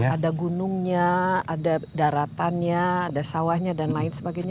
ada gunungnya ada daratannya ada sawahnya dan lain sebagainya